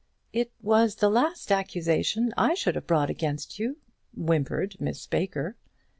"It was the last accusation I should have brought against you," whimpered Miss Baker.